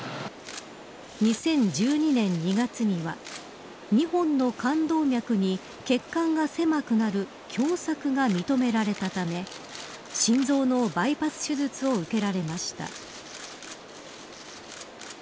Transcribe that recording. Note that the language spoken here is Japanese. ２０１２年２月には２本の冠動脈に血管が狭くなる狭窄が認められたため心臓のバイパス手術を受けられました。